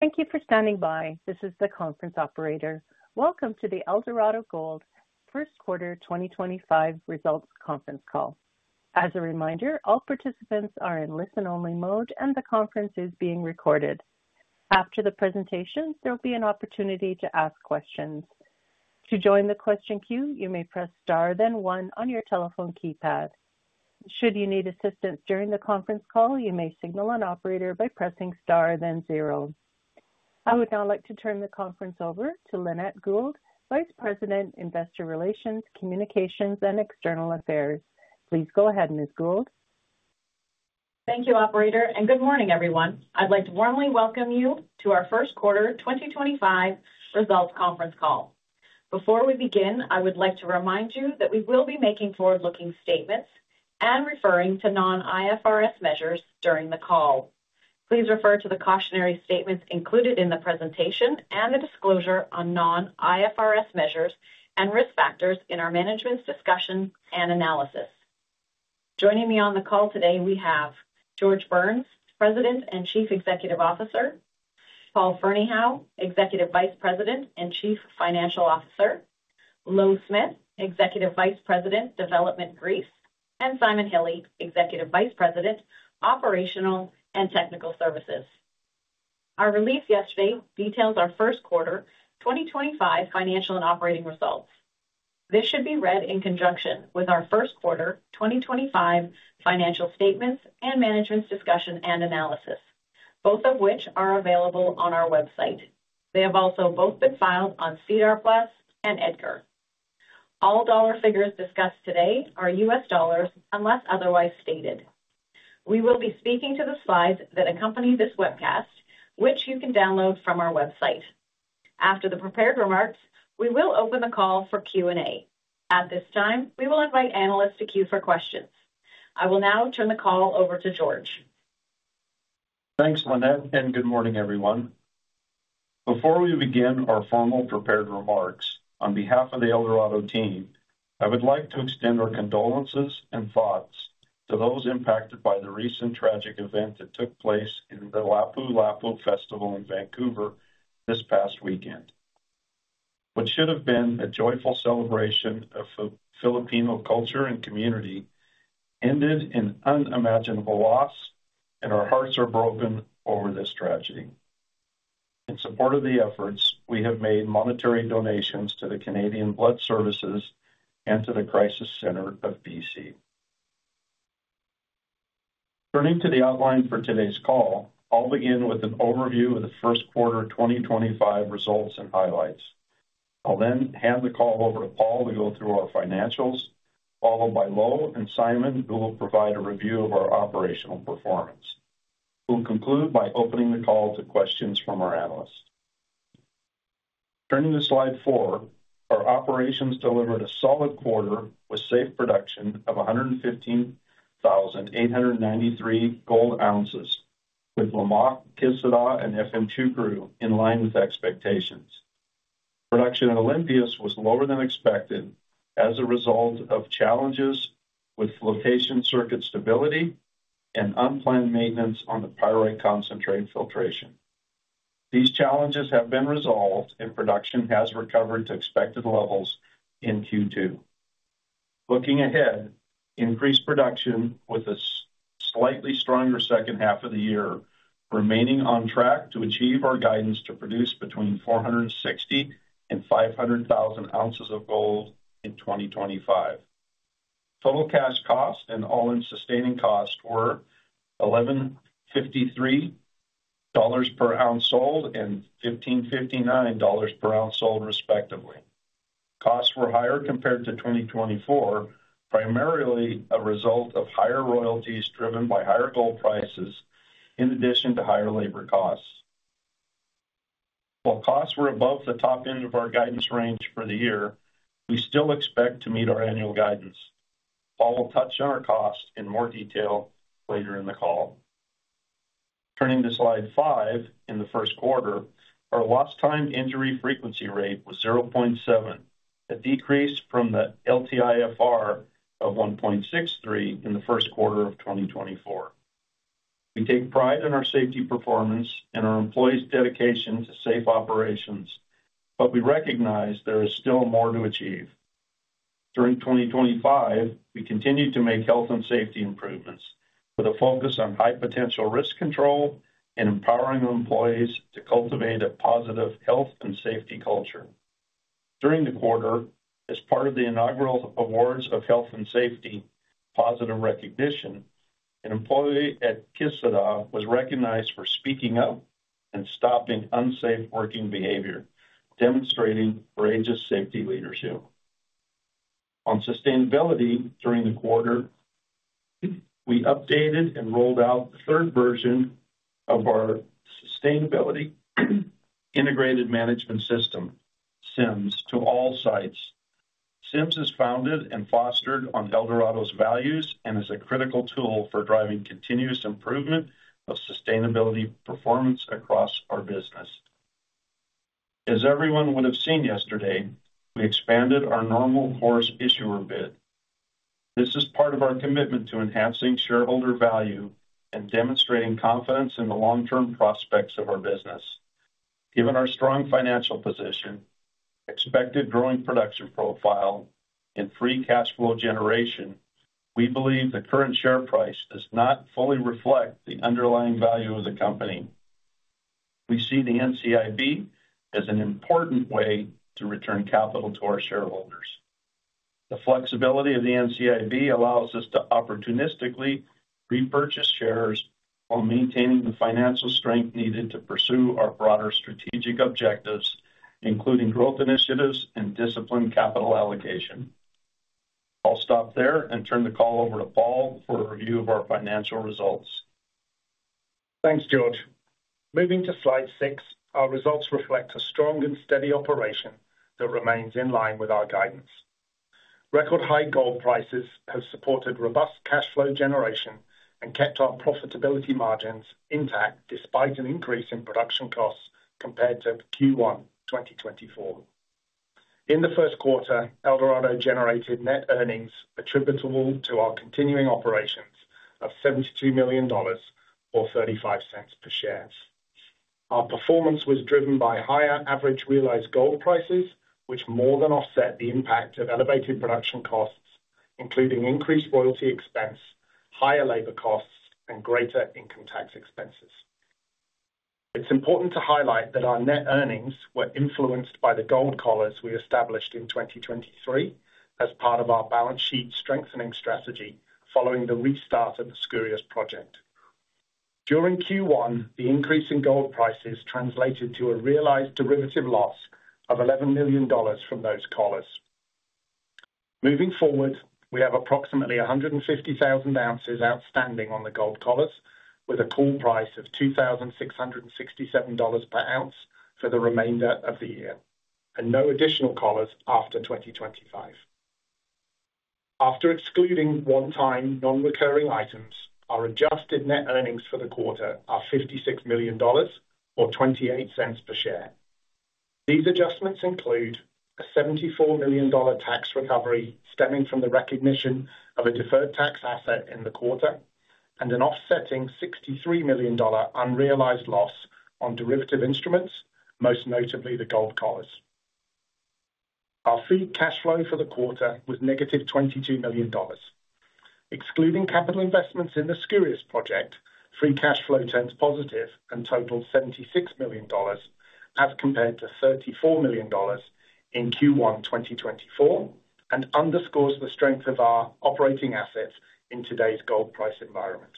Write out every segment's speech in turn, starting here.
Thank you for standing by. This is the conference operator. Welcome to the Eldorado Gold Q1 2025 results conference call. As a reminder, all participants are in listen-only mode, and the conference is being recorded. After the presentation, there will be an opportunity to ask questions. To join the question queue, you may press star, then one on your telephone keypad. Should you need assistance during the conference call, you may signal an operator by pressing star, then zero. I would now like to turn the conference over to Lynette Gould, Vice President, Investor Relations, Communications, and External Affairs. Please go ahead, Ms. Gould. Thank you, Operator, and good morning, everyone. I'd like to warmly welcome you to our Q1 2025 results conference call. Before we begin, I would like to remind you that we will be making forward-looking statements and referring to non-IFRS measures during the call. Please refer to the cautionary statements included in the presentation and the disclosure on non-IFRS measures and risk factors in our management's discussion and analysis. Joining me on the call today, we have George Burns, President and Chief Executive Officer; Paul Ferneyhough, Executive Vice President and Chief Financial Officer; Louw Smith, Executive Vice President, Development Greece; and Simon Hille, Executive Vice President, Operational and Technical Services. Our release yesterday details our Q1 2025 financial and operating results. This should be read in conjunction with our Q1 2025 financial statements and management's discussion and analysis, both of which are available on our website. They have also both been filed on SEDAR+ and EDGAR. All dollar figures discussed today are U.S. dollars unless otherwise stated. We will be speaking to the slides that accompany this webcast, which you can download from our website. After the prepared remarks, we will open the call for Q&A. At this time, we will invite analysts to queue for questions. I will now turn the call over to George. Thanks, Lynette, and good morning, everyone. Before we begin our formal prepared remarks, on behalf of the Eldorado team, I would like to extend our condolences and thoughts to those impacted by the recent tragic event that took place in the Lapu-Lapu Festival in Vancouver this past weekend. What should have been a joyful celebration of Filipino culture and community ended in unimaginable loss, and our hearts are broken over this tragedy. In support of the efforts, we have made monetary donations to the Canadian Blood Services and to the Crisis Centre of BC. Turning to the outline for today's call, I'll begin with an overview of the Q1 2025 results and highlights. I'll then hand the call over to Paul to go through our financials, followed by Louw and Simon, who will provide a review of our operational performance. We'll conclude by opening the call to questions from our analysts. Turning to slide four, our operations delivered a solid quarter with safe production of 115,893 gold ounces, with Lamaque, Kışladağ, and Efemçukuru in line with expectations. Production at Olympias was lower than expected as a result of challenges with flotation circuit stability and unplanned maintenance on the pyrite concentrate filtration. These challenges have been resolved, and production has recovered to expected levels in Q2. Looking ahead, increased production with a slightly stronger second half of the year remaining on track to achieve our guidance to produce between 460,000 and 500,000 ounces of gold in 2025. Total cash cost and all-in sustaining cost were $1,153 per ounce sold and $1,559 per ounce sold, respectively. Costs were higher compared to 2024, primarily a result of higher royalties driven by higher gold prices in addition to higher labor costs. While costs were above the top end of our guidance range for the year, we still expect to meet our annual guidance. Paul will touch on our costs in more detail later in the call. Turning to slide five, in the Q1, our lost time injury frequency rate was 0.7, a decrease from the LTIFR of 1.63 in the Q1 of 2024. We take pride in our safety performance and our employees' dedication to safe operations, but we recognize there is still more to achieve. During 2025, we continue to make health and safety improvements with a focus on high potential risk control and empowering employees to cultivate a positive health and safety culture. During the quarter, as part of the inaugural awards of health and safety positive recognition, an employee at Kışladağ was recognized for speaking up and stopping unsafe working behavior, demonstrating courageous safety leadership. On sustainability during the quarter, we updated and rolled out the third version of our sustainability integrated management system, SIMS, to all sites. SIMS is founded and fostered on Eldorado's values and is a critical tool for driving continuous improvement of sustainability performance across our business. As everyone would have seen yesterday, we expanded our normal course issuer bid. This is part of our commitment to enhancing shareholder value and demonstrating confidence in the long-term prospects of our business. Given our strong financial position, expected growing production profile, and free cash flow generation, we believe the current share price does not fully reflect the underlying value of the company. We see the NCIB as an important way to return capital to our shareholders. The flexibility of the NCIB allows us to opportunistically repurchase shares while maintaining the financial strength needed to pursue our broader strategic objectives, including growth initiatives and disciplined capital allocation. I'll stop there and turn the call over to Paul for a review of our financial results. Thanks, George. Moving to slide six, our results reflect a strong and steady operation that remains in line with our guidance. Record high gold prices have supported robust cash flow generation and kept our profitability margins intact despite an increase in production costs compared to Q1 2024. In the Q1, Eldorado generated net earnings attributable to our continuing operations of $72 million or $0.35 per share. Our performance was driven by higher average realized gold prices, which more than offset the impact of elevated production costs, including increased royalty expense, higher labor costs, and greater income tax expenses. It's important to highlight that our net earnings were influenced by the gold collars we established in 2023 as part of our balance sheet strengthening strategy following the restart of the Skouries project. During Q1, the increase in gold prices translated to a realized derivative loss of $11 million from those collars. Moving forward, we have approximately 150,000 ounces outstanding on the gold collars with a call price of $2,667 per ounce for the remainder of the year and no additional collars after 2025. After excluding one-time non-recurring items, our adjusted net earnings for the quarter are $56 million or $0.28 per share. These adjustments include a $74 million tax recovery stemming from the recognition of a deferred tax asset in the quarter and an offsetting $63 million unrealized loss on derivative instruments, most notably the gold collars. Our free cash flow for the quarter was negative $22 million. Excluding capital investments in the Skouries project, free cash flow turns positive and totals $76 million as compared to $34 million in Q1 2024 and underscores the strength of our operating assets in today's gold price environment.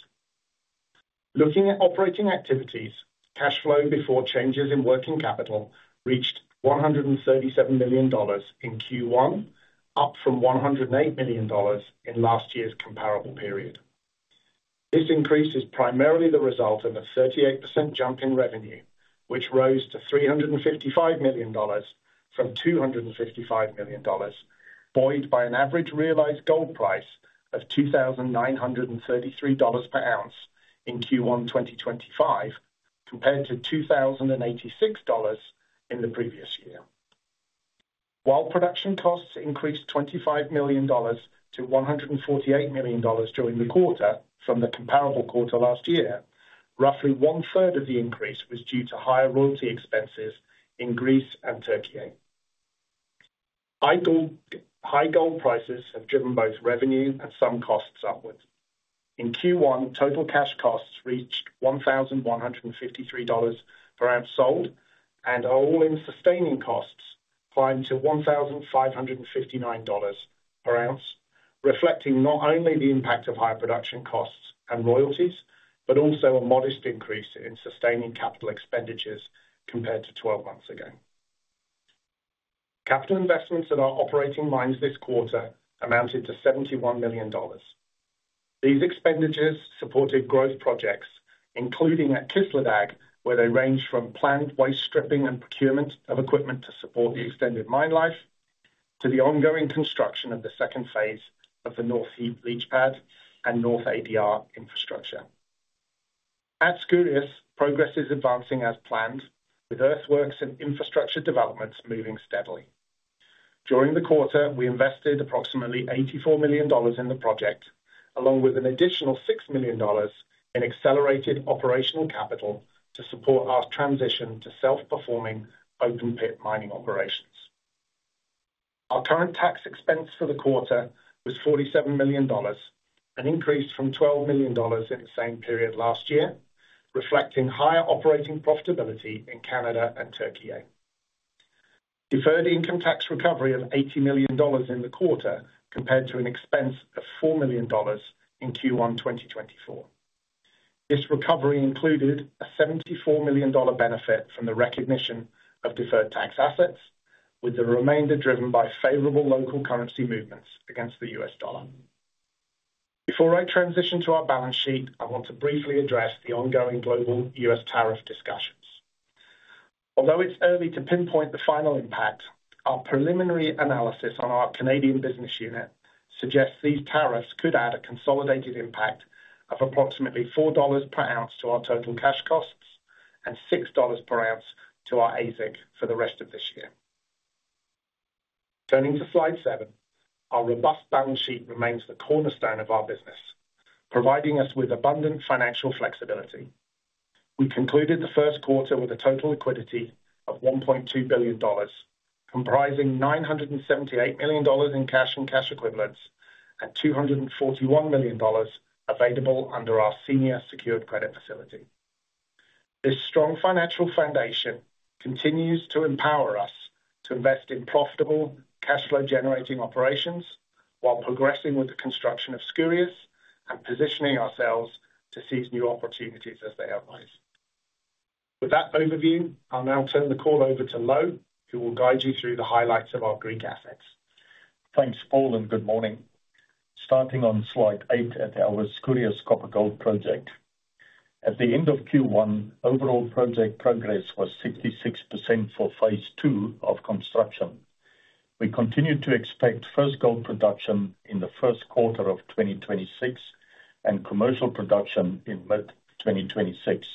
Looking at operating activities, cash flow before changes in working capital reached $137 million in Q1, up from $108 million in last year's comparable period. This increase is primarily the result of a 38% jump in revenue, which rose to $355 million from $255 million, buoyed by an average realized gold price of $2,933 per ounce in Q1 2025 compared to $2,086 in the previous year. While production costs increased $25 million to $148 million during the quarter from the comparable quarter last year, roughly one-third of the increase was due to higher royalty expenses in Greece and Türkiye. High gold prices have driven both revenue and some costs upward. In Q1, total cash costs reached $1,153 per ounce sold, and all-in sustaining costs climbed to $1,559 per ounce, reflecting not only the impact of high production costs and royalties, but also a modest increase in sustaining capital expenditures compared to 12 months ago. Capital investments in our operating mines this quarter amounted to $71 million. These expenditures supported growth projects, including at Kışladağ, where they ranged from planned waste stripping and procurement of equipment to support the extended mine life to the ongoing construction of the second phase of the North Heap Leach Pad and North ADR infrastructure. At Skouries, progress is advancing as planned, with earthworks and infrastructure developments moving steadily. During the quarter, we invested approximately $84 million in the project, along with an additional $6 million in accelerated operational capital to support our transition to self-performing open-pit mining operations. Our current tax expense for the quarter was $47 million, an increase from $12 million in the same period last year, reflecting higher operating profitability in Canada and Türkiye. Deferred income tax recovery of $80 million in the quarter compared to an expense of $4 million in Q1 2024. This recovery included a $74 million benefit from the recognition of deferred tax assets, with the remainder driven by favorable local currency movements against the U.S. dollar. Before I transition to our balance sheet, I want to briefly address the ongoing global U.S. tariff discussions. Although it's early to pinpoint the final impact, our preliminary analysis on our Canadian business unit suggests these tariffs could add a consolidated impact of approximately $4 per ounce to our total cash costs and $6 per ounce to our AISC for the rest of this year. Turning to slide seven, our robust balance sheet remains the cornerstone of our business, providing us with abundant financial flexibility. We concluded the Q1 with a total liquidity of $1.2 billion, comprising $978 million in cash and cash equivalents and $241 million available under our senior secured credit facility. This strong financial foundation continues to empower us to invest in profitable cash flow generating operations while progressing with the construction of Skouries and positioning ourselves to seize new opportunities as they arise. With that overview, I'll now turn the call over to Louw, who will guide you through the highlights of our Greek assets. Thanks, Paul, and good morning. Starting on slide eight at our Skouries copper gold project. At the end of Q1, overall project progress was 66% for phase two of construction. We continue to expect first gold production in the Q1 of 2026 and commercial production in mid-2026.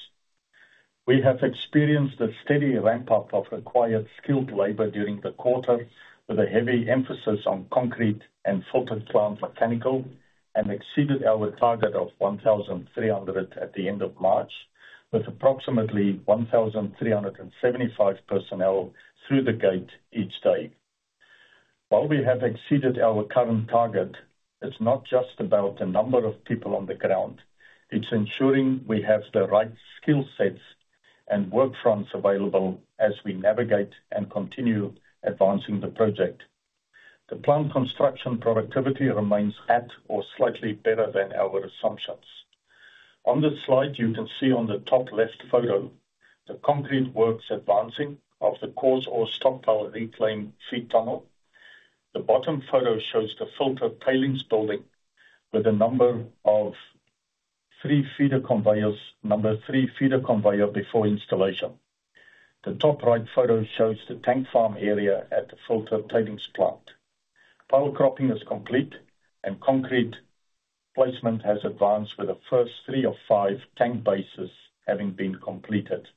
We have experienced a steady ramp-up of required skilled labor during the quarter, with a heavy emphasis on concrete and filtered plant mechanical, and exceeded our target of 1,300 at the end of March, with approximately 1,375 personnel through the gate each day. While we have exceeded our current target, it's not just about the number of people on the ground. It's ensuring we have the right skill sets and work fronts available as we navigate and continue advancing the project. The plant construction productivity remains at or slightly better than our assumptions. On this slide, you can see on the top left photo the concrete works advancing of the Coarse Ore Stockpile Reclaim feed tunnel. The bottom photo shows the filter tailings building with a number three feeder conveyor before installation. The top right photo shows the tank farm area at the filter tailings plant. Pile cropping is complete, and concrete placement has advanced with the first three of five tank bases having been completed.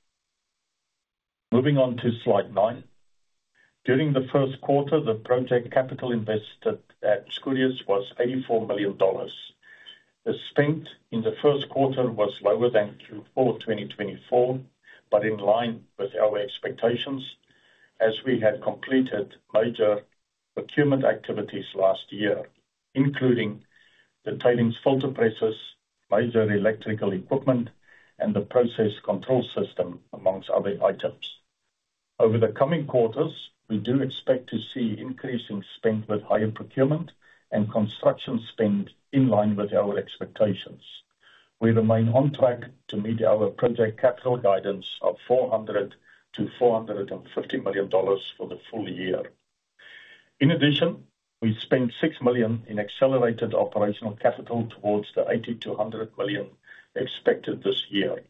Moving on to slide nine. During the Q1, the project capital invested at Skouries was $84 million. The spend in the Q1 was lower than Q4 2024, but in line with our expectations as we had completed major procurement activities last year, including the tailings filter presses, major electrical equipment, and the process control system, amongst other items. Over the coming quarters, we do expect to see increasing spend with higher procurement and construction spend in line with our expectations. We remain on track to meet our project capital guidance of $400-$450 million for the full year. In addition, we spent $6 million in accelerated operational capital towards the $80-$100 million expected this year.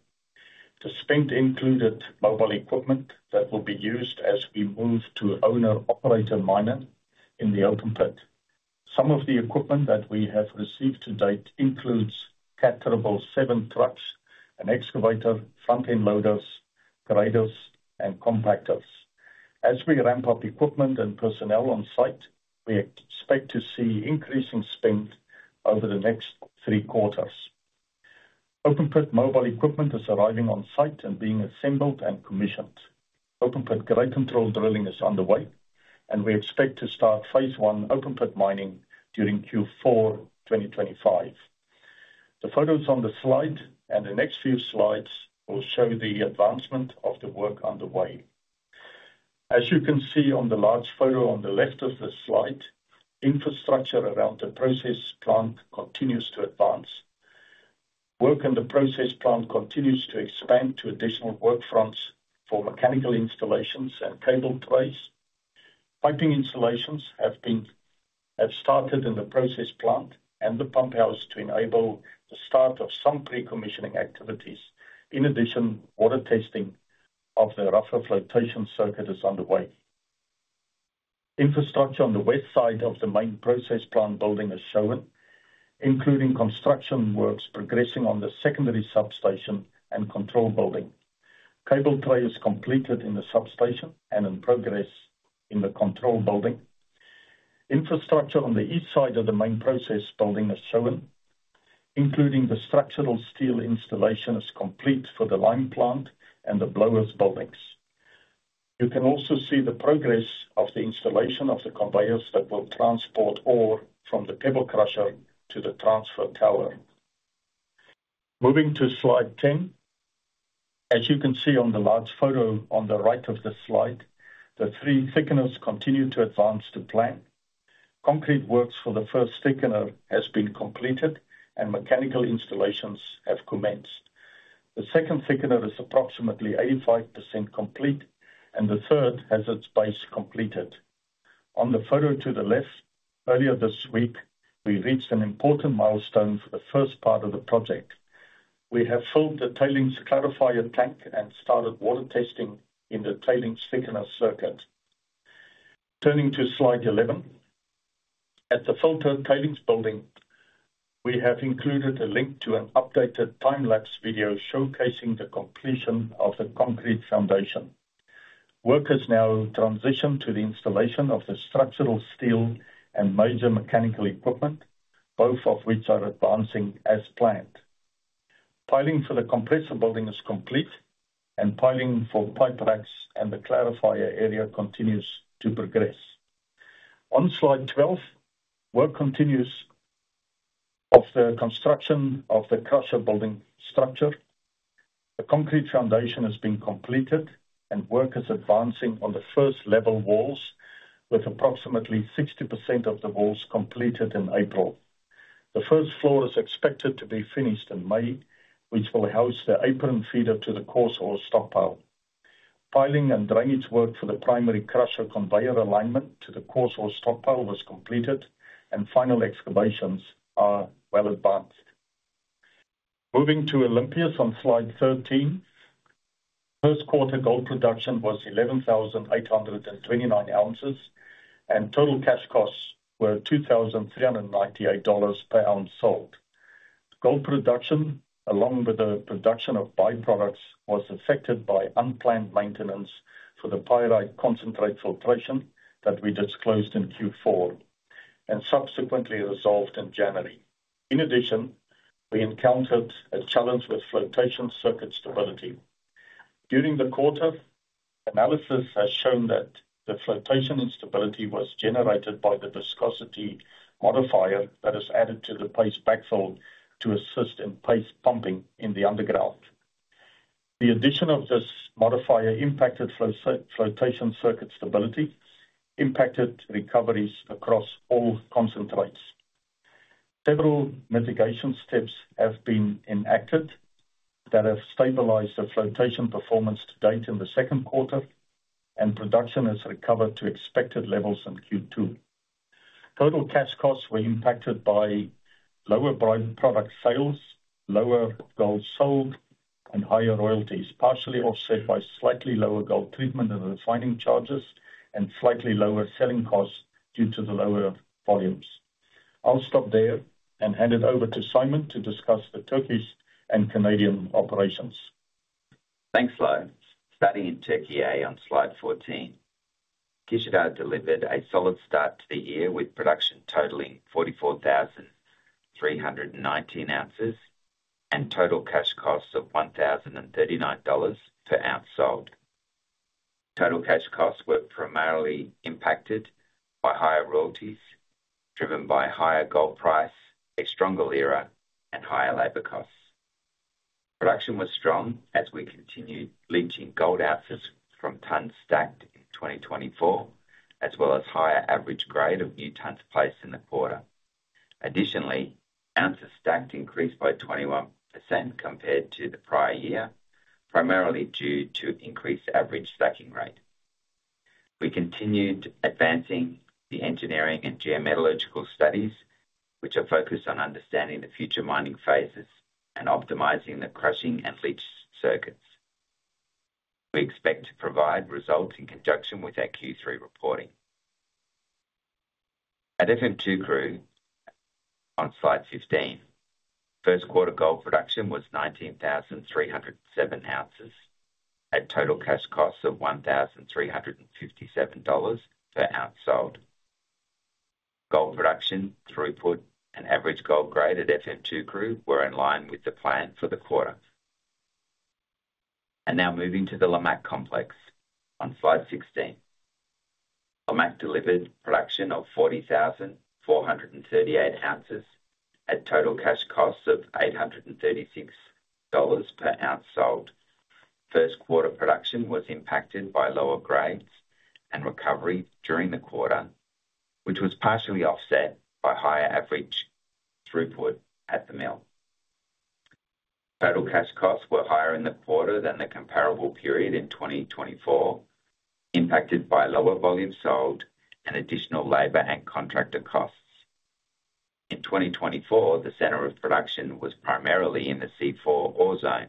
The spend included mobile equipment that will be used as we move to owner-operator mining in the open pit. Some of the equipment that we have received to date includes Caterpillar 777 trucks, an excavator, front-end loaders, graders, and compactors. As we ramp up equipment and personnel on site, we expect to see increasing spend over the next three quarters. Open pit mobile equipment is arriving on site and being assembled and commissioned. Open pit grade control drilling is underway, and we expect to start phase one open pit mining during Q4 2025. The photos on the slide and the next few slides will show the advancement of the work underway. As you can see on the large photo on the left of the slide, infrastructure around the process plant continues to advance. Work in the process plant continues to expand to additional work fronts for mechanical installations and cable trays. Piping installations have started in the process plant and the pump house to enable the start of some pre-commissioning activities. In addition, water testing of the rougher flotation circuit is underway. Infrastructure on the west side of the main process plant building is showing, including construction works progressing on the secondary substation and control building. Cable tray is completed in the substation and in progress in the control building. Infrastructure on the east side of the main process building is showing, including the structural steel installation is complete for the lime plant and the blower's buildings. You can also see the progress of the installation of the conveyors that will transport ore from the pebble crusher to the transfer tower. Moving to slide ten, as you can see on the large photo on the right of the slide, the three thickeners continue to advance the plant. Concrete works for the first thickener have been completed, and mechanical installations have commenced. The second thickener is approximately 85% complete, and the third has its base completed. On the photo to the left, earlier this week, we reached an important milestone for the first part of the project. We have filled the tailings clarifier tank and started water testing in the tailings thickener circuit. Turning to slide 11, at the filter tailings building, we have included a link to an updated time-lapse video showcasing the completion of the concrete foundation. Workers now transition to the installation of the structural steel and major mechanical equipment, both of which are advancing as planned. Piling for the compressor building is complete, and piling for pipe racks and the clarifier area continues to progress. On slide 12, work continues on the construction of the crusher building structure. The concrete foundation has been completed, and work is advancing on the first level walls, with approximately 60% of the walls completed in April. The first floor is expected to be finished in May, which will house the apron feeder to the coarse ore stockpile. Piling and drainage work for the primary crusher conveyor alignment to the coarse ore stockpile was completed, and final excavations are well advanced. Moving to Olympias on slide 13, Q1 gold production was 11,829 ounces, and total cash costs were $2,398 per ounce sold. Gold production, along with the production of byproducts, was affected by unplanned maintenance for the pyrite concentrate filtration that we disclosed in Q4 and subsequently resolved in January. In addition, we encountered a challenge with flotation circuit stability. During the quarter, analysis has shown that the flotation instability was generated by the viscosity modifier that is added to the paste backfill to assist in paste pumping in the underground. The addition of this modifier impacted flotation circuit stability, impacted recoveries across all concentrates. Several mitigation steps have been enacted that have stabilized the flotation performance to date in the Q2, and production has recovered to expected levels in Q2. Total cash costs were impacted by lower brand product sales, lower gold sold, and higher royalties, partially offset by slightly lower gold treatment and refining charges, and slightly lower selling costs due to the lower volumes. I'll stop there and hand it over to Simon to discuss the Turkish and Canadian operations. Thanks, Louw. Starting in Türkiye on slide 14, Kışladağ delivered a solid start to the year with production totaling 44,319 ounces and total cash costs of $1,039 per ounce sold. Total cash costs were primarily impacted by higher royalties, driven by higher gold price, a stronger lira, and higher labor costs. Production was strong as we continued leaching gold ounces from tons stacked in 2024, as well as higher average grade of new tons placed in the quarter. Additionally, ounces stacked increased by 21% compared to the prior year, primarily due to increased average stacking rate. We continued advancing the engineering and geometallurgical studies, which are focused on understanding the future mining phases and optimizing the crushing and leach circuits. We expect to provide results in conjunction with our Q3 reporting. At Efemçukuru on slide 15, Q1 gold production was 19,307 ounces at total cash costs of $1,357 per ounce sold. Gold production, throughput, and average gold grade at Efemçukuru were in line with the plan for the quarter. Now moving to the Lamaque Complex on slide 16. Lamaque delivered production of 40,438 ounces at total cash costs of $836 per ounce sold. Q1 production was impacted by lower grades and recovery during the quarter, which was partially offset by higher average throughput at the mill. Total cash costs were higher in the quarter than the comparable period in 2024, impacted by lower volume sold and additional labor and contractor costs. In 2024, the center of production was primarily in the C4 ore zone,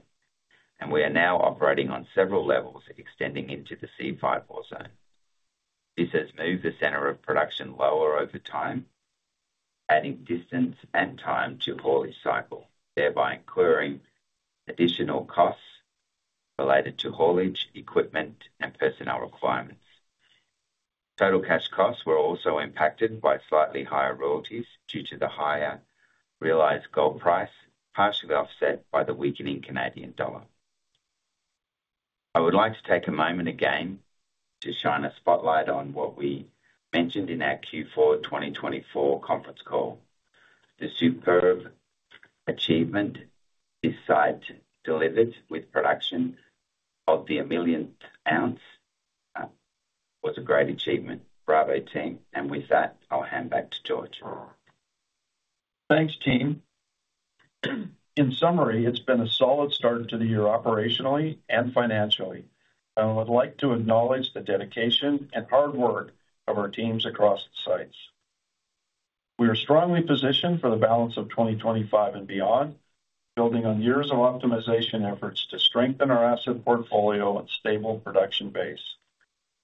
and we are now operating on several levels extending into the C5 ore zone. This has moved the center of production lower over time, adding distance and time to the haulage cycle, thereby incurring additional costs related to haulage, equipment, and personnel requirements. Total cash costs were also impacted by slightly higher royalties due to the higher realized gold price, partially offset by the weakening Canadian dollar. I would like to take a moment again to shine a spotlight on what we mentioned in our Q4 2024 conference call. The superb achievement this site delivered with production of the 1 millionth ounce was a great achievement. Bravo, team. With that, I'll hand back to George. Thanks, team. In summary, it's been a solid start to the year operationally and financially, and I would like to acknowledge the dedication and hard work of our teams across the sites. We are strongly positioned for the balance of 2025 and beyond, building on years of optimization efforts to strengthen our asset portfolio and stable production base.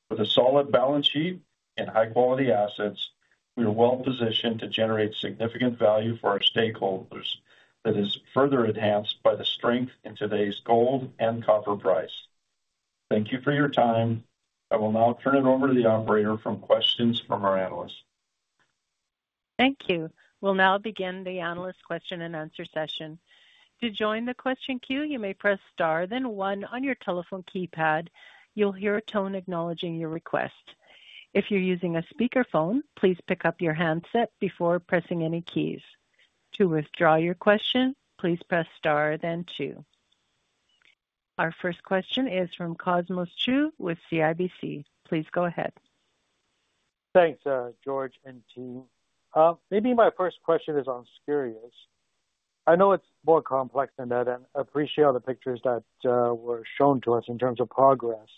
With a solid balance sheet and high-quality assets, we are well positioned to generate significant value for our stakeholders. That is further enhanced by the strength in today's gold and copper price. Thank you for your time. I will now turn it over to the operator for questions from our analysts. Thank you. We'll now begin the analyst question and answer session. To join the question queue, you may press star, then one on your telephone keypad. You'll hear a tone acknowledging your request. If you're using a speakerphone, please pick up your handset before pressing any keys. To withdraw your question, please press star, then two. Our first question is from Cosmos Chiu with CIBC. Please go ahead. Thanks, George and team. Maybe my first question is on Skouries. I know it's more complex than that and appreciate all the pictures that were shown to us in terms of progress.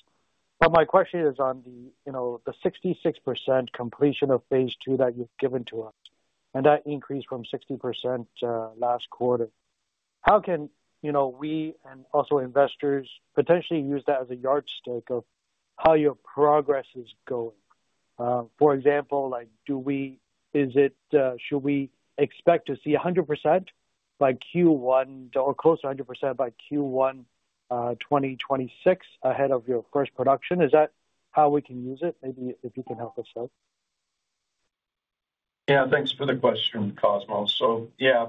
My question is on the 66% completion of phase two that you've given to us and that increase from 60% last quarter. How can we and also investors potentially use that as a yardstick of how your progress is going? For example, do we, should we expect to see 100% by Q1 or close to 100% by Q1 2026 ahead of your first production? Is that how we can use it? Maybe if you can help us out. Yeah, thanks for the question, Cosmos. Yeah,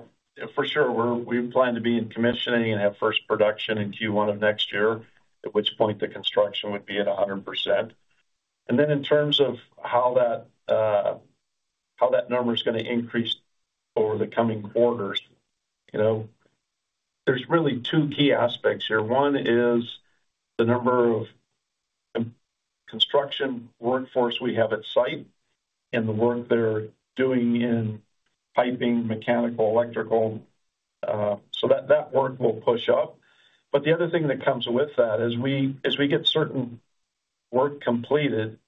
for sure, we plan to be in commissioning and have first production in Q1 of next year, at which point the construction would be at 100%. In terms of how that number is going to increase over the coming quarters, there are really two key aspects here. One is the number of construction workforce we have at site and the work they're doing in piping, mechanical, electrical. That work will push up. The other thing that comes with that is as we get certain work completed,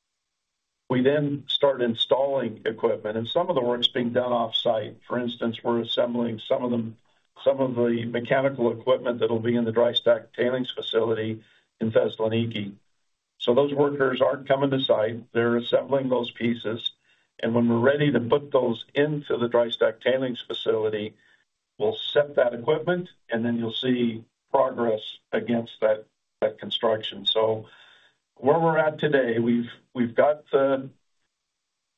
we then start installing equipment. Some of the work is being done off-site. For instance, we're assembling some of the mechanical equipment that will be in the dry stack tailings facility in Thessaloniki. Those workers are not coming to site. They're assembling those pieces. When we're ready to put those into the dry stack tailings facility, we'll set that equipment, and then you'll see progress against that construction. Where we're at today, we've got the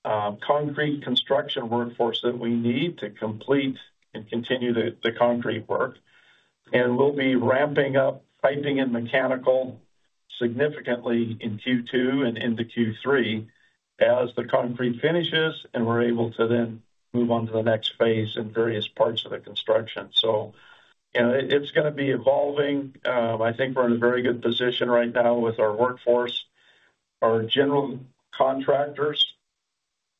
concrete construction workforce that we need to complete and continue the concrete work. We'll be ramping up piping and mechanical significantly in Q2 and into Q3 as the concrete finishes, and we're able to then move on to the next phase in various parts of the construction. It's going to be evolving. I think we're in a very good position right now with our workforce. Our general contractors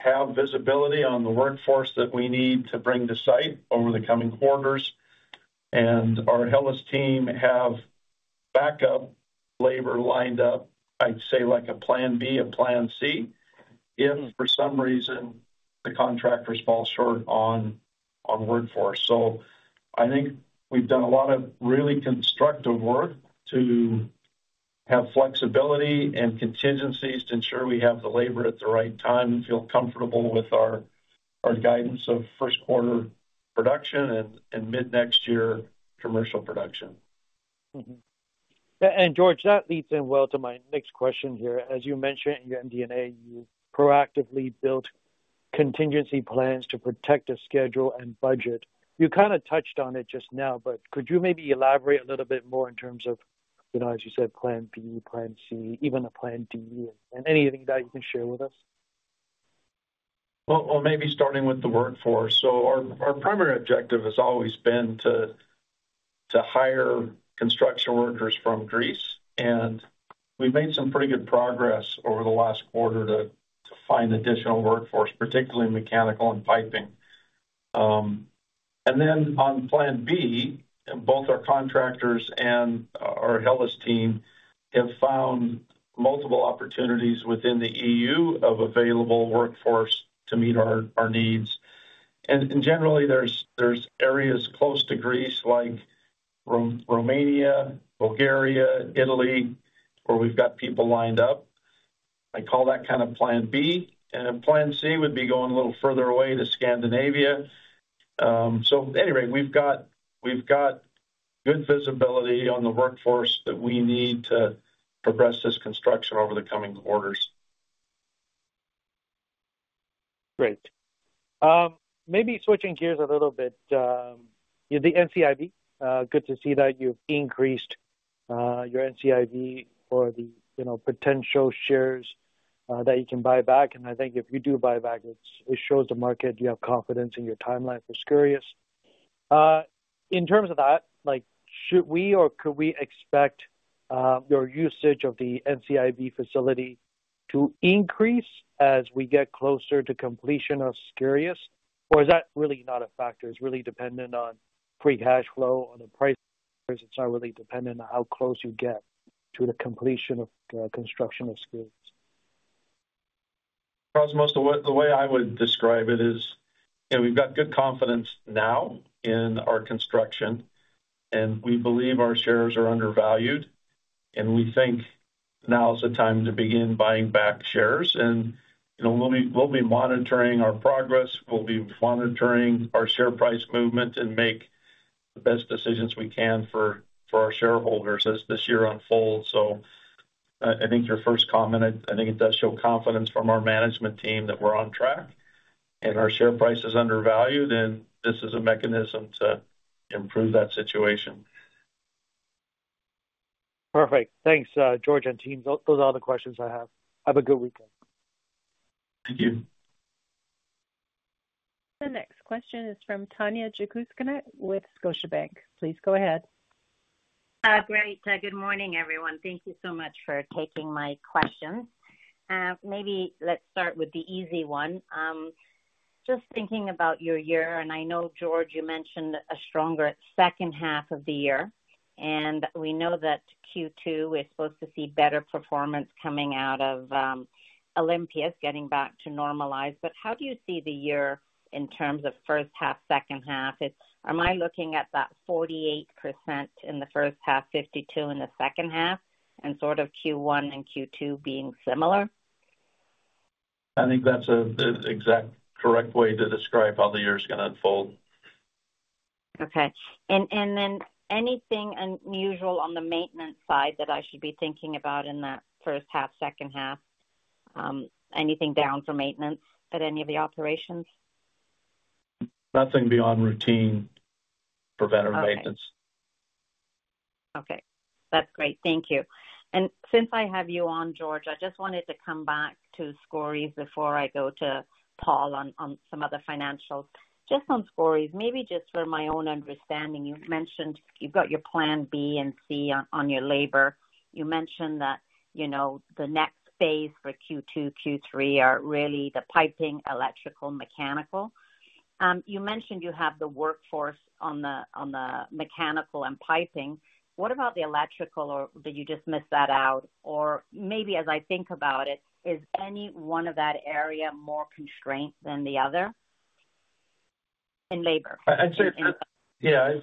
have visibility on the workforce that we need to bring to site over the coming quarters. Our help team have backup labor lined up, I'd say like a plan B, a plan C, if for some reason the contractors fall short on workforce. I think we've done a lot of really constructive work to have flexibility and contingencies to ensure we have the labor at the right time and feel comfortable with our guidance of Q1 production and mid-next year commercial production. George, that leads in well to my next question here. As you mentioned in your MD&A, you proactively built contingency plans to protect a schedule and budget. You kind of touched on it just now, but could you maybe elaborate a little bit more in terms of, as you said, plan B, plan C, even a plan D, and anything that you can share with us? Maybe starting with the workforce. Our primary objective has always been to hire construction workers from Greece. We have made some pretty good progress over the last quarter to find additional workforce, particularly mechanical and piping. On plan B, both our contractors and our help team have found multiple opportunities within the EU of available workforce to meet our needs. Generally, there are areas close to Greece like Romania, Bulgaria, Italy, where we have people lined up. I call that kind of plan B. Plan C would be going a little further away to Scandinavia. We have good visibility on the workforce that we need to progress this construction over the coming quarters. Great. Maybe switching gears a little bit, the NCIB, good to see that you've increased your NCIB or the potential shares that you can buy back. I think if you do buy back, it shows the market you have confidence in your timeline for Skouries. In terms of that, should we or could we expect your usage of the NCIB facility to increase as we get closer to completion of Skouries? Or is that really not a factor? It's really dependent on free cash flow on the price? It's not really dependent on how close you get to the completion of construction of Skouries? Cosmos, the way I would describe it is we've got good confidence now in our construction, and we believe our shares are undervalued. We think now is the time to begin buying back shares. We will be monitoring our progress. We will be monitoring our share price movement and make the best decisions we can for our shareholders as this year unfolds. I think your first comment, I think it does show confidence from our management team that we're on track. Our share price is undervalued, and this is a mechanism to improve that situation. Perfect. Thanks, George and team. Those are all the questions I have. Have a good weekend. Thank you. The next question is from Tanya Jakusconek with Scotiabank. Please go ahead. Great. Good morning, everyone. Thank you so much for taking my questions. Maybe let's start with the easy one. Just thinking about your year, and I know, George, you mentioned a stronger second half of the year. We know that Q2, we're supposed to see better performance coming out of Olympias, getting back to normalize. How do you see the year in terms of first half, second half? Am I looking at that 48% in the first half, 52% in the second half, and sort of Q1 and Q2 being similar? I think that's the exact correct way to describe how the year is going to unfold. Okay. Anything unusual on the maintenance side that I should be thinking about in that first half, second half? Anything down for maintenance at any of the operations? Nothing beyond routine preventative maintenance. Okay. Okay. That's great. Thank you. Since I have you on, George, I just wanted to come back to Skouries before I go to Paul on some other financials. Just on Skouries, maybe just for my own understanding, you've mentioned you've got your plan B and C on your labor. You mentioned that the next phase for Q2, Q3 are really the piping, electrical, mechanical. You mentioned you have the workforce on the mechanical and piping. What about the electrical, or did you just miss that out? Or maybe as I think about it, is any one of that area more constraint than the other in labor? I'd say, yeah.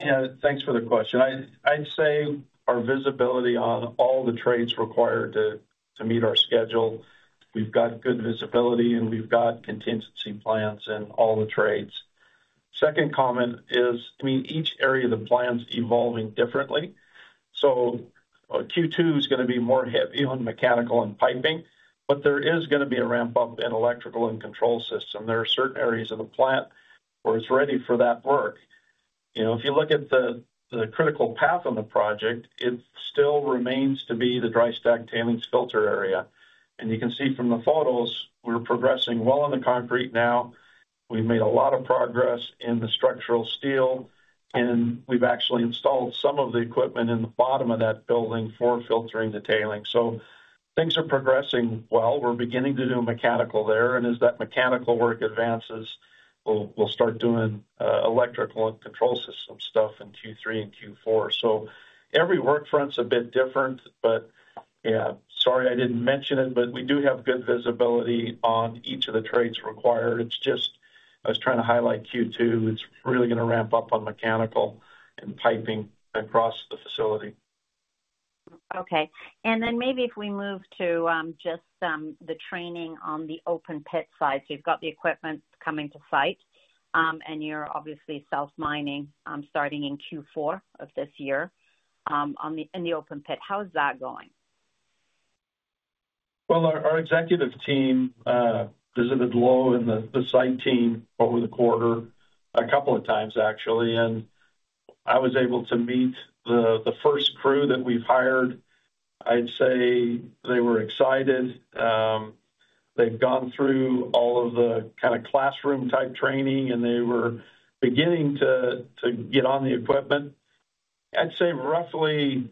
Yeah, thanks for the question. I'd say our visibility on all the trades required to meet our schedule, we've got good visibility, and we've got contingency plans in all the trades. Second comment is, I mean, each area of the plan's evolving differently. Q2 is going to be more heavy on mechanical and piping, but there is going to be a ramp up in electrical and control system. There are certain areas of the plant where it's ready for that work. If you look at the critical path on the project, it still remains to be the dry stack tailings filter area. You can see from the photos, we're progressing well in the concrete now. We've made a lot of progress in the structural steel, and we've actually installed some of the equipment in the bottom of that building for filtering the tailing. Things are progressing well. We're beginning to do mechanical there. As that mechanical work advances, we'll start doing electrical and control system stuff in Q3 and Q4. Every workfront's a bit different, but yeah, sorry I didn't mention it, but we do have good visibility on each of the trades required. I was trying to highlight Q2. It's really going to ramp up on mechanical and piping across the facility. Okay. Maybe if we move to just the training on the open pit side. You have the equipment coming to site, and you are obviously self-mining starting in Q4 of this year in the open pit. How is that going? Our executive team visited Louw and the site team over the quarter a couple of times, actually. I was able to meet the first crew that we've hired. I'd say they were excited. They've gone through all of the kind of classroom-type training, and they were beginning to get on the equipment. I'd say roughly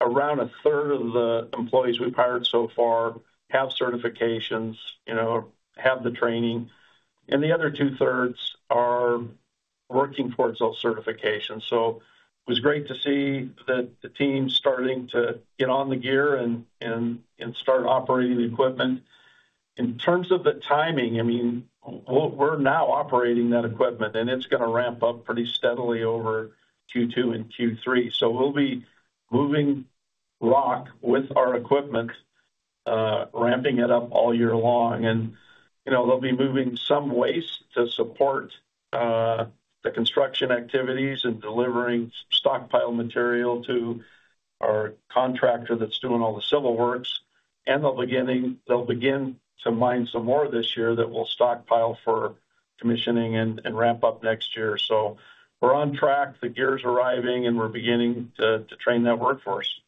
around a third of the employees we've hired so far have certifications, have the training. The other two-thirds are working towards those certifications. It was great to see the team starting to get on the gear and start operating the equipment. In terms of the timing, I mean, we're now operating that equipment, and it's going to ramp up pretty steadily over Q2 and Q3. We'll be moving rock with our equipment, ramping it up all year long. They'll be moving some waste to support the construction activities and delivering stockpile material to our contractor that's doing all the civil works. They'll begin to mine some more this year that we'll stockpile for commissioning and ramp up next year. We're on track. The gear's arriving, and we're beginning to train that workforce.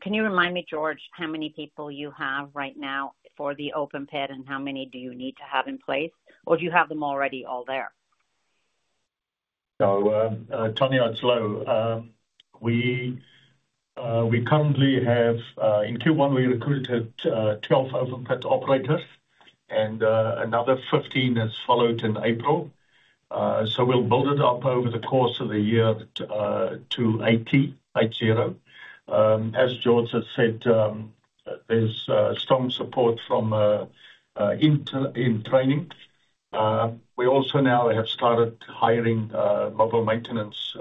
Can you remind me, George, how many people you have right now for the open pit, and how many do you need to have in place? Or do you have them already all there? Tony, on Skouries, we currently have, in Q1, we recruited 12 open pit operators, and another 15 followed in April. We will build it up over the course of the year to 80. As George has said, there is strong support from in training. We also now have started hiring mobile maintenance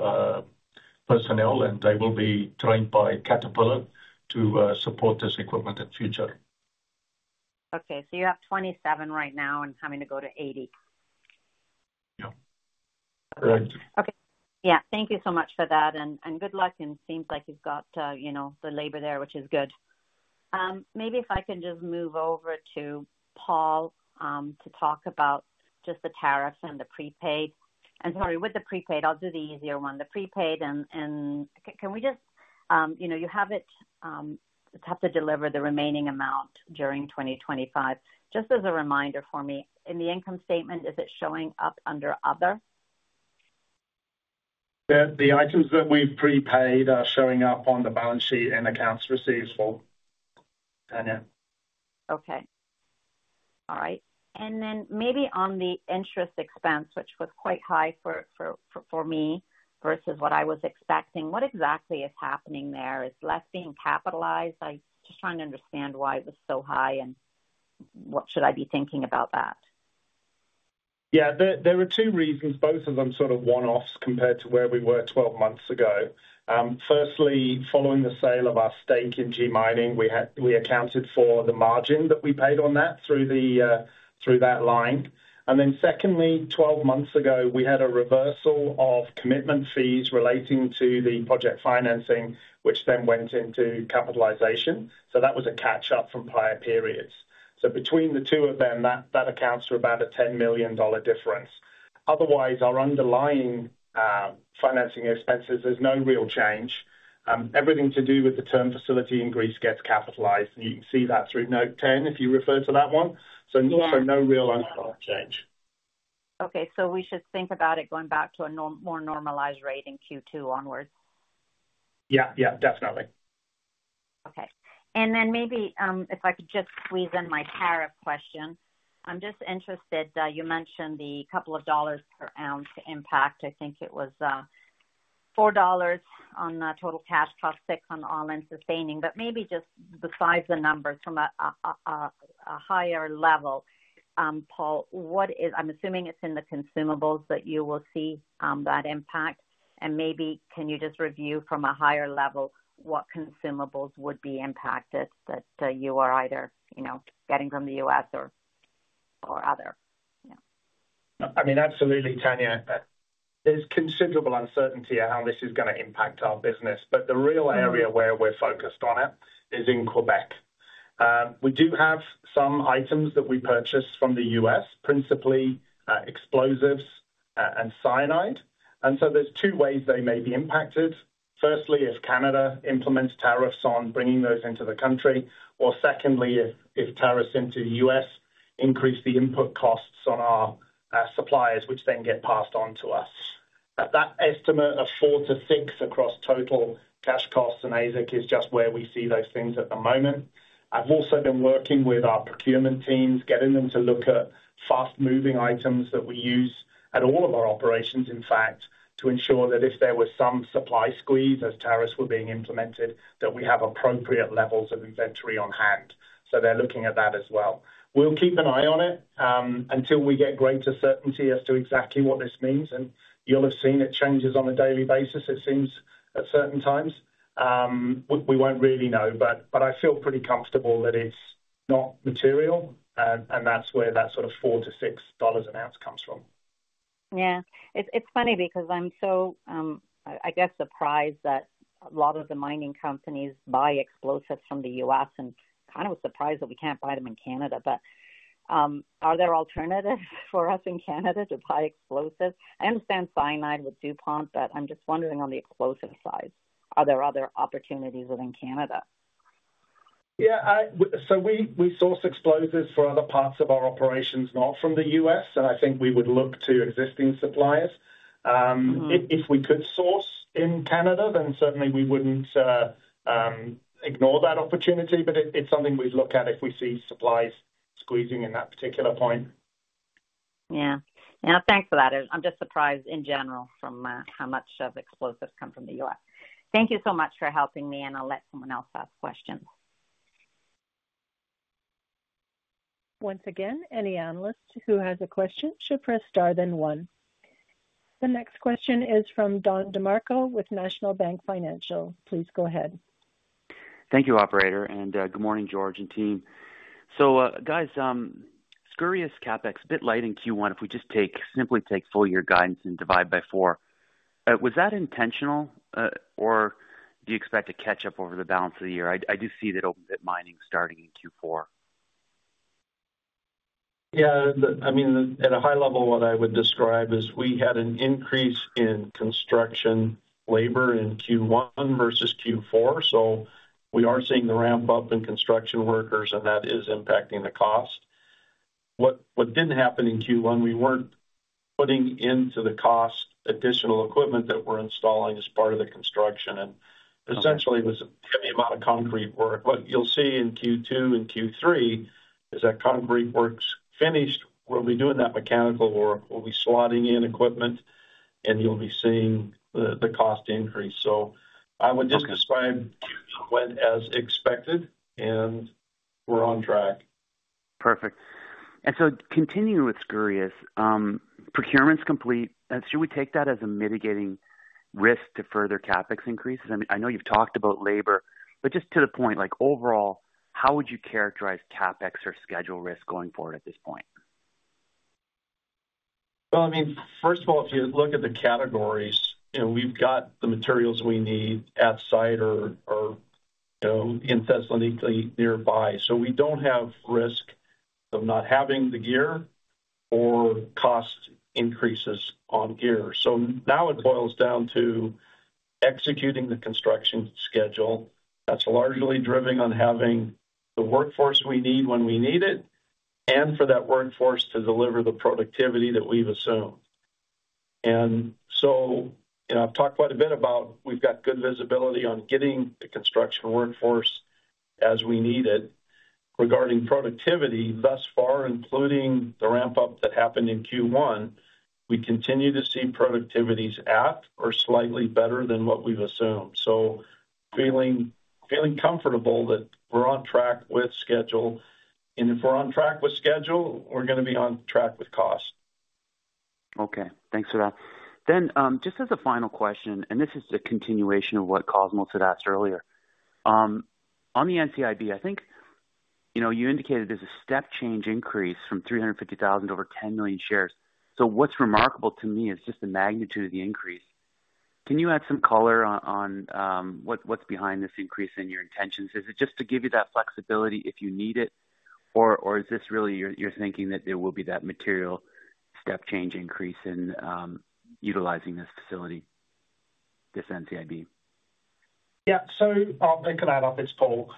personnel, and they will be trained by Caterpillar to support this equipment in the future. Okay. You have 27 right now and having to go to 80. Yeah. Correct. Okay. Yeah. Thank you so much for that. Good luck. It seems like you've got the labor there, which is good. Maybe if I can just move over to Paul to talk about just the tariffs and the prepaid. Sorry, with the prepaid, I'll do the easier one. The prepaid, and can we just, you have to deliver the remaining amount during 2025. Just as a reminder for me, in the income statement, is it showing up under other? The items that we've prepaid are showing up on the balance sheet and accounts receivable, Tanya. Okay. All right. Maybe on the interest expense, which was quite high for me versus what I was expecting, what exactly is happening there? Is less being capitalized? I'm just trying to understand why it was so high, and what should I be thinking about that? Yeah. There were two reasons. Both of them sort of one-offs compared to where we were 12 months ago. Firstly, following the sale of our stake in G Mining Ventures, we accounted for the margin that we paid on that through that line. Then, 12 months ago, we had a reversal of commitment fees relating to the project financing, which then went into capitalization. That was a catch-up from prior periods. Between the two of them, that accounts for about a $10 million difference. Otherwise, our underlying financing expenses, there's no real change. Everything to do with the term facility in Greece gets capitalized. You can see that through note 10, if you refer to that one. No real change. Okay. We should think about it going back to a more normalized rate in Q2 onwards. Yeah. Yeah. Definitely. Okay. Maybe if I could just squeeze in my tariff question. I'm just interested. You mentioned the couple of dollars per ounce impact. I think it was $4 on total cash cost, $6 on all-in sustaining. Maybe just besides the numbers from a higher level, Paul, I'm assuming it's in the consumables that you will see that impact. Maybe can you just review from a higher level what consumables would be impacted that you are either getting from the U.S. or other? I mean, absolutely, Tanya. There is considerable uncertainty on how this is going to impact our business. The real area where we are focused on it is in Quebec. We do have some items that we purchase from the U.S., principally explosives and cyanide. There are two ways they may be impacted. Firstly, if Canada implements tariffs on bringing those into the country. Secondly, if tariffs into the U.S. increase the input costs on our suppliers, which then get passed on to us. That estimate of 4-6 across total cash costs and AISC is just where we see those things at the moment. I've also been working with our procurement teams, getting them to look at fast-moving items that we use at all of our operations, in fact, to ensure that if there was some supply squeeze as tariffs were being implemented, that we have appropriate levels of inventory on hand. They are looking at that as well. We'll keep an eye on it until we get greater certainty as to exactly what this means. You'll have seen it changes on a daily basis, it seems, at certain times. We won't really know. I feel pretty comfortable that it's not material, and that's where that sort of $4-$6 an ounce comes from. Yeah. It's funny because I'm so, I guess, surprised that a lot of the mining companies buy explosives from the U.S. and kind of surprised that we can't buy them in Canada. Are there alternatives for us in Canada to buy explosives? I understand cyanide with DuPont, but I'm just wondering on the explosive side. Are there other opportunities within Canada? Yeah. We source explosives for other parts of our operations, not from the U.S. I think we would look to existing suppliers. If we could source in Canada, then certainly we would not ignore that opportunity. It is something we would look at if we see supplies squeezing in that particular point. Yeah. Yeah. Thanks for that. I'm just surprised in general from how much of explosives come from the U.S. Thank you so much for helping me, and I'll let someone else ask questions. Once again, any analyst who has a question should press star then one. The next question is from Don DeMarco with National Bank Financial. Please go ahead. Thank you, Operator. Good morning, George and team. Guys, Skouries CapEx bit light in Q1. If we just simply take full year guidance and divide by four, was that intentional, or do you expect a catch-up over the balance of the year? I do see that open pit mining starting in Q4. Yeah. I mean, at a high level, what I would describe is we had an increase in construction labor in Q1 versus Q4. We are seeing the ramp up in construction workers, and that is impacting the cost. What did not happen in Q1, we were not putting into the cost additional equipment that we are installing as part of the construction. Essentially, it was a heavy amount of concrete work. What you will see in Q2 and Q3 is that concrete work is finished. We will be doing that mechanical work. We will be slotting in equipment, and you will be seeing the cost increase. I would just describe Q1 went as expected, and we are on track. Perfect. Continuing with Skouries, procurement's complete. Should we take that as a mitigating risk to further CapEx increases? I mean, I know you've talked about labor, but just to the point, overall, how would you characterize CapEx or schedule risk going forward at this point? I mean, first of all, if you look at the categories, we've got the materials we need at site or in Thessaloniki nearby. We don't have risk of not having the gear or cost increases on gear. Now it boils down to executing the construction schedule. That's largely driven on having the workforce we need when we need it and for that workforce to deliver the productivity that we've assumed. I’ve talked quite a bit about we've got good visibility on getting the construction workforce as we need it. Regarding productivity, thus far, including the ramp-up that happened in Q1, we continue to see productivities at or slightly better than what we've assumed. I am feeling comfortable that we're on track with schedule. If we're on track with schedule, we're going to be on track with cost. Okay. Thanks for that. Just as a final question, and this is a continuation of what Cosmos had asked earlier. On the NCIB, I think you indicated there's a step-change increase from 350,000 to over 10 million shares. What is remarkable to me is just the magnitude of the increase. Can you add some color on what's behind this increase in your intentions? Is it just to give you that flexibility if you need it, or is this really your thinking that there will be that material step-change increase in utilizing this facility, this NCIB? Yeah. I'll pick it out. It's Paul.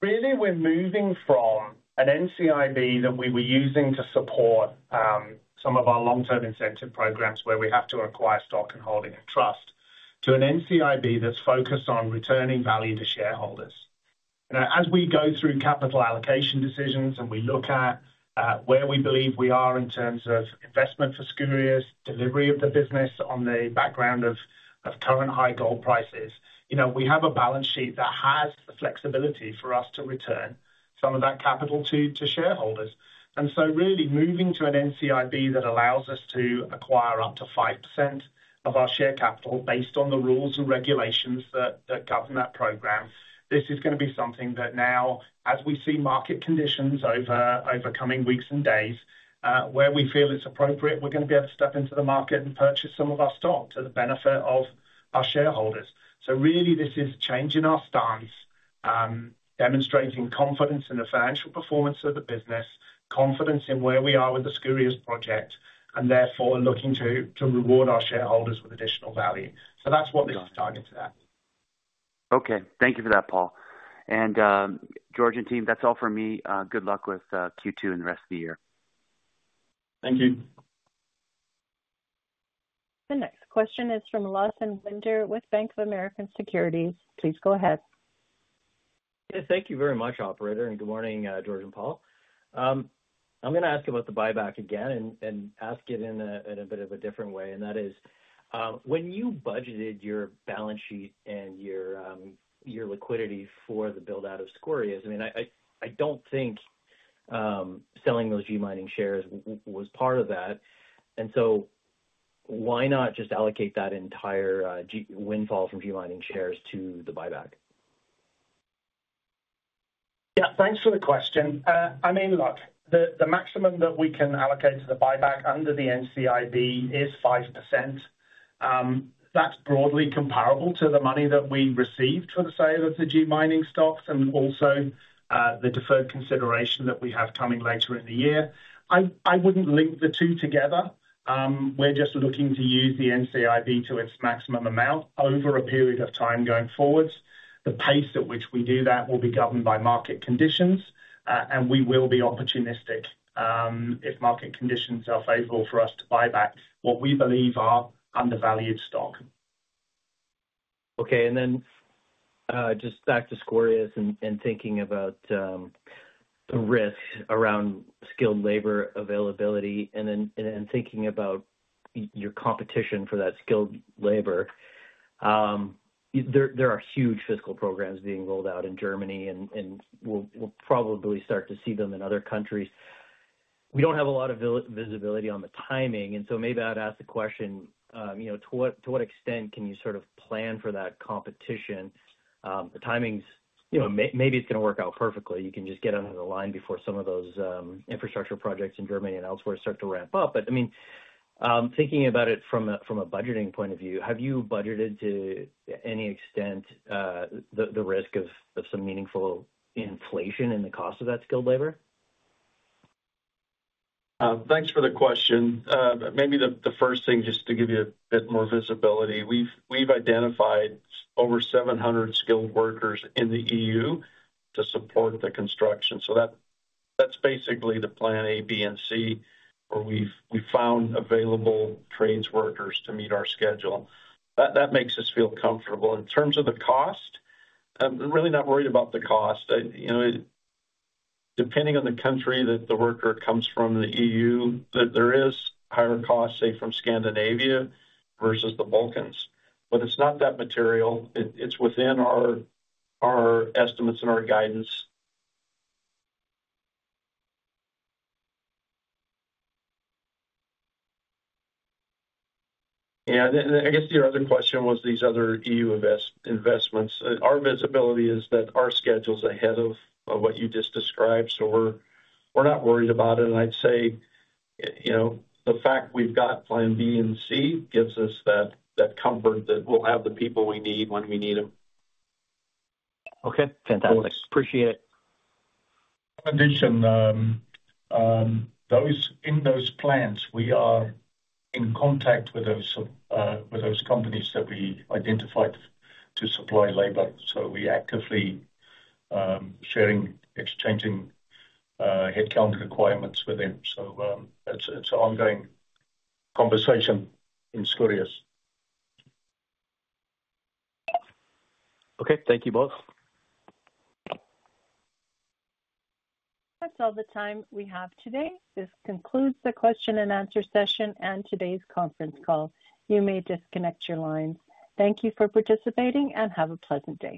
Really, we're moving from an NCIB that we were using to support some of our long-term incentive programs where we have to acquire stock and hold in trust to an NCIB that's focused on returning value to shareholders. As we go through capital allocation decisions and we look at where we believe we are in terms of investment for Skouries, delivery of the business on the background of current high gold prices, we have a balance sheet that has the flexibility for us to return some of that capital to shareholders. Really moving to an NCIB that allows us to acquire up to 5% of our share capital based on the rules and regulations that govern that program, this is going to be something that now, as we see market conditions over coming weeks and days where we feel it's appropriate, we're going to be able to step into the market and purchase some of our stock to the benefit of our shareholders. This is changing our stance, demonstrating confidence in the financial performance of the business, confidence in where we are with the Skouries project, and therefore looking to reward our shareholders with additional value. That's what this is targeting today. Okay. Thank you for that, Paul. George and team, that's all for me. Good luck with Q2 and the rest of the year. Thank you. The next question is from Lawson Winder with Bank of America Securities. Please go ahead. Yeah. Thank you very much, Operator. Good morning, George and Paul. I'm going to ask about the buyback again and ask it in a bit of a different way. That is, when you budgeted your balance sheet and your liquidity for the build-out of Skouries, I mean, I don't think selling those G Mining shares was part of that. Why not just allocate that entire windfall from G Mining shares to the buyback? Yeah. Thanks for the question. I mean, look, the maximum that we can allocate to the buyback under the NCIB is 5%. That's broadly comparable to the money that we received for the sale of the G Mining Ventures stocks and also the deferred consideration that we have coming later in the year. I wouldn't link the two together. We're just looking to use the NCIB to its maximum amount over a period of time going forward. The pace at which we do that will be governed by market conditions, and we will be opportunistic if market conditions are favorable for us to buy back what we believe are undervalued stock. Okay. And then just back to Skouries and thinking about the risk around skilled labor availability and then thinking about your competition for that skilled labor. There are huge fiscal programs being rolled out in Germany, and we'll probably start to see them in other countries. We don't have a lot of visibility on the timing. Maybe I'd ask the question, to what extent can you sort of plan for that competition? The timings, maybe it's going to work out perfectly. You can just get under the line before some of those infrastructure projects in Germany and elsewhere start to ramp up. I mean, thinking about it from a budgeting point of view, have you budgeted to any extent the risk of some meaningful inflation in the cost of that skilled labor? Thanks for the question. Maybe the first thing, just to give you a bit more visibility, we've identified over 700 skilled workers in the EU to support the construction. That's basically the plan A, B, and C, where we've found available trades workers to meet our schedule. That makes us feel comfortable. In terms of the cost, I'm really not worried about the cost. Depending on the country that the worker comes from in the EU, there is higher cost, say, from Scandinavia versus the Balkans. It's not that material. It's within our estimates and our guidance. Yeah. I guess your other question was these other EU investments. Our visibility is that our schedule's ahead of what you just described. We're not worried about it. I'd say the fact we've got plan B and C gives us that comfort that we'll have the people we need when we need them. Okay. Fantastic. Appreciate it. In addition, in those plans, we are in contact with those companies that we identified to supply labor. We are actively sharing, exchanging headcount requirements with them. It is an ongoing conversation in Skouries. Okay. Thank you both. That's all the time we have today. This concludes the question-and-answer session and today's conference call. You may disconnect your lines. Thank you for participating and have a pleasant day.